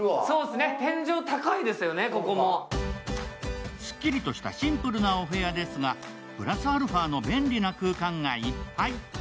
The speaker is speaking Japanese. そうですよね、天井高いですよね、ここも。すっきりとしたシンプルなお部屋ですが、プラスアルファの便利な空間がいっぱい。